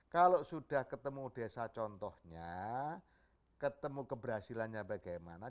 kalau sudah ketemu desa contohnya ketemu keberhasilannya bagaimana